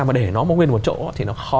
mà để nó nguyên một chỗ thì nó khó